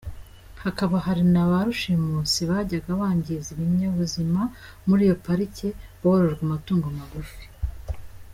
Hakaba hari na ba rushimusi bajyaga bangiza ibinyabuzima muri iyo Parike borojwe amatungo magufi.